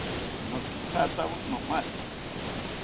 Nokithatakawo nomatha